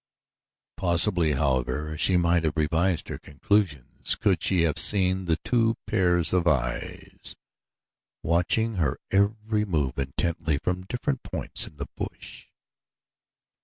Possibly, however, she might have revised her conclusions could she have seen the two pairs of eyes watching her every move intently from different points in the bush.